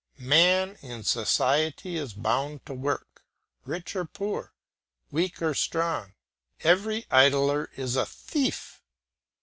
Man in society is bound to work; rich or poor, weak or strong, every idler is a thief.